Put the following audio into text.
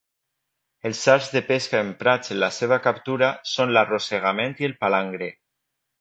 Els arts de pesca emprats en la seua captura són l'arrossegament i el palangre.